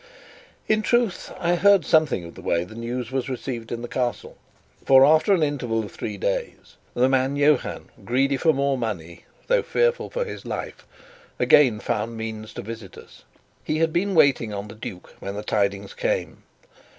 In truth, I heard something of the way the news was received in the Castle; for after an interval of three days, the man Johann, greedy for more money, though fearful for his life, again found means to visit us. He had been waiting on the duke when the tidings came.